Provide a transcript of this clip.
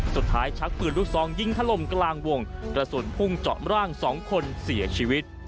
สุดท้ายชักปืนลูกซองยิงทะลมกลางวงระสุนพุ่งจอดร่างสองคนเสียชีวิต